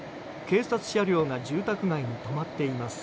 警察車両が住宅街に止まっています。